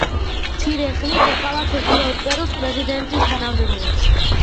მცირე ხნით ეკავა ჩრდილოეთი პერუს პრეზიდენტის თანამდებობაც.